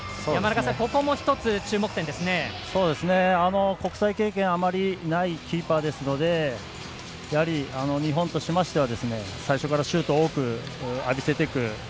山中さん、ここも１つ国際経験、あまりないキーパーなので日本としましては最初からシュートを多く浴びせていく。